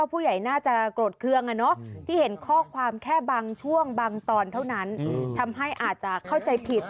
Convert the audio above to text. เพราะความแค่บางช่วงบางตอนเท่านั้นทำให้อาจจะเข้าใจผิด